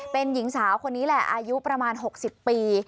เป็นหญิงสาวคนนี้แหละอายุประมาณ๖๐ปี